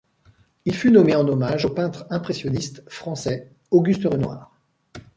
Il fut nommé en hommage au peintre impressionniste français Auguste Renoir.